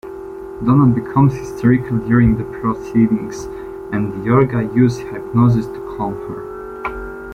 Donna becomes hysterical during the proceedings, and Yorga uses hypnosis to calm her.